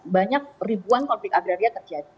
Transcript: banyak ribuan konflik agraria terjadi